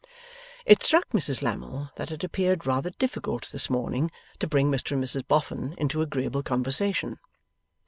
It struck Mrs Lammle that it appeared rather difficult this morning to bring Mr and Mrs Boffin into agreeable conversation.